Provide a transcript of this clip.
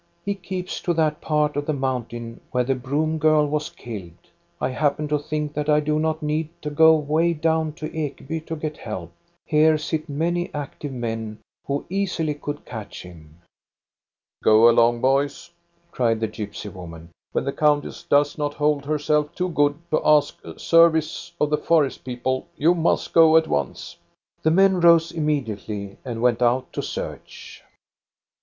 He keeps to that part of the mountain where the broom girl was killed. I happened to think that I do not need to go way down to Ekeby to get help. Here sit many active men who easily could catch him." " Go along, boys !" cried the gypsy woman. *' When the countess does not hold herself too good to ask a service of the forest people, you must go at once." The men rose immediately and went out to search.